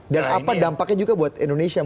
dan apa dampaknya juga buat indonesia